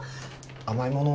甘いもの